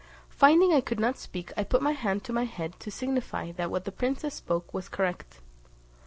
Finding I could not speak, I put my hand to my head' to signify that what the princess spoke was correct.